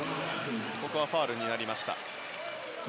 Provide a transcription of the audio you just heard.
ファウルになりました。